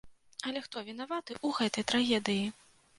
Але хто вінаваты ў гэтай трагедыі?